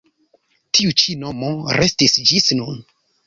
Tiu ĉi nomo restis ĝis nun.